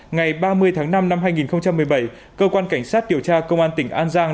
ngày ba mươi tháng năm năm hai nghìn một mươi bảy cơ quan cảnh sát điều tra công an tỉnh an giang